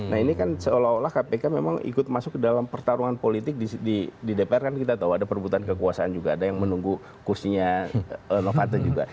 nah ini kan seolah olah kpk memang ikut masuk ke dalam pertarungan politik di dpr kan kita tahu ada perbutan kekuasaan juga ada yang menunggu kursinya novanto juga